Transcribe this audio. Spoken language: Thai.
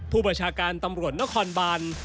ผู้บัญชาการตำรวจนครบาน